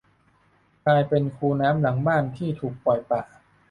กลายเป็นคูน้ำหลังบ้านที่ถูกปล่อยปะ